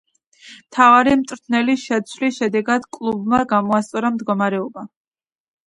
მთავარი მწვრთნელის შეცვლის შედეგად კლუბმა გამოასწორა მდგომარეობა.